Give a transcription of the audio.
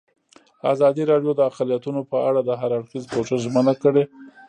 ازادي راډیو د اقلیتونه په اړه د هر اړخیز پوښښ ژمنه کړې.